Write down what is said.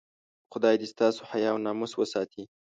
خدای دې ستاسو حیا او ناموس وساتي.